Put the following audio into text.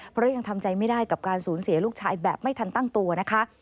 เพราะยังทำใจไม่ได้กับการสูญเสียลูกชายแบบไม่ทันตั้งตัวนะคะ